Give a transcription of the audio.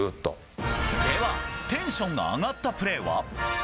では、テンションが上がったプレーは？